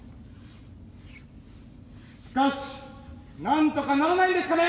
しかしなんとかならないんですかね